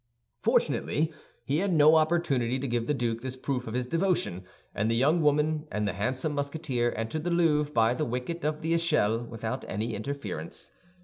Fortunately, he had no opportunity to give the duke this proof of his devotion, and the young woman and the handsome Musketeer entered the Louvre by the wicket of the Echelle without any interference.